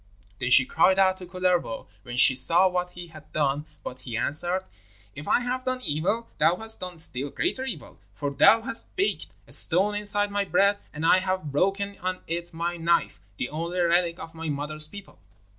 Then she cried out to Kullervo, when she saw what he had done, but he answered: 'If I have done evil thou hast done still greater evil, for thou hast baked a stone inside my bread, and I have broken on it my knife, the only relic of my mother's people.'